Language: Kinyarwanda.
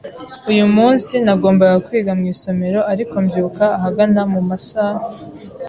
Uyu munsi, nagombaga kwiga mu isomero ariko mbyuka ahagana mu ma saa .